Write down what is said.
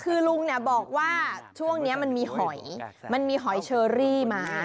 คือลุงบอกว่าช่วงนี้มันมีหอยเชอรี่มา